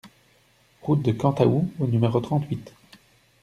Route de Cantaous au numéro trente-huit